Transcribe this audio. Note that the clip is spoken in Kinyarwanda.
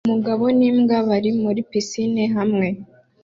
Umugabo n'imbwa bari muri pisine hamwe